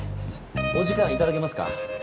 お時間頂けますか？